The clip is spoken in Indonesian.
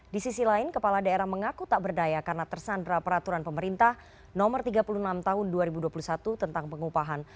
di sisi lain kepala daerah mengaku tak berdaya karena tersandra peraturan pemerintah no tiga puluh enam tahun dua ribu dua puluh satu tentang pengupahan